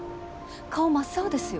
顔真っ青ですよ。